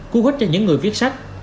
cu hút cho những người viết sách